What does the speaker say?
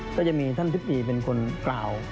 ก็จะมีท่านทิพดีเป็นคนกล่าว